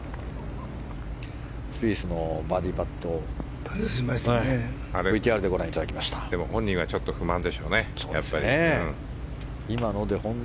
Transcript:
スピースのバーディーパットを本人は不満でしょうね。